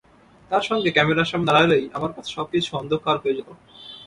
তাঁর সঙ্গে ক্যামেরার সামনে দাঁড়ালেই আমার কাছে সবকিছু অন্ধকার হয়ে যেত।